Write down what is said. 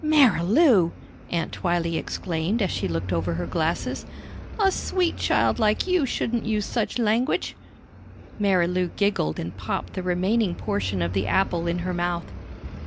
"Marilou!" Aunt Twylee exclaimed as she looked over her glasses. "A sweet child like you shouldn't use such language!" Marilou giggled and popped the remaining portion of the apple in her mouth.